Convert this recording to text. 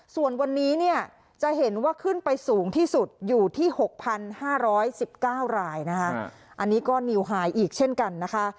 ส่วนวันนี้เนี่ยจะเห็นว่าขึ้นไปสูงที่สุดอยู่ที่๖๕๑๙รายนะคะอันนี้ก็นิวไฮอีกเช่นกันนะคะ